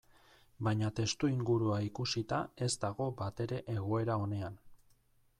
Baina testuingurua ikusita ez dago batere egoera onean.